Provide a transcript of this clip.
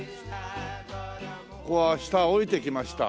ここは下へ下りてきました。